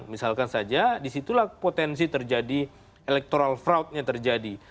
misalkan saja di situlah potensi terjadi electoral fraudnya terjadi